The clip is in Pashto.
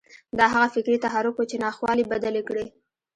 دا هغه فکري تحرک و چې ناخوالې يې بدلې کړې.